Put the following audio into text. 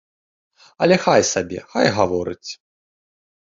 Але хай сабе, хай гаворыць.